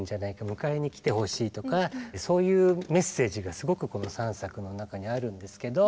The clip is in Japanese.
迎えに来てほしいとかそういうメッセージがすごくこの３作の中にあるんですけど。